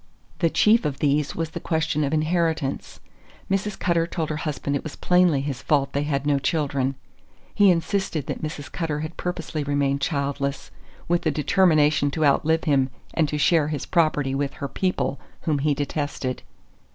The chief of these was the question of inheritance: Mrs. Cutter told her husband it was plainly his fault they had no children. He insisted that Mrs. Cutter had purposely remained childless, with the determination to outlive him and to share his property with her "people," whom he detested.